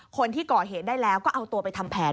คนที่ก่อเหตุได้แล้วก็เอาตัวไปทำแผน